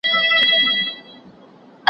چي هوښیار طوطي ګونګی سو په سر پک سو